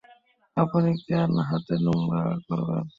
আপনি কেন হাত নোংরা করবেন?